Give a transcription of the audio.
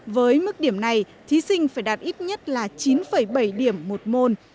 với mức điểm này thí sinh phải đạt ít nhất là chín bảy điểm một môn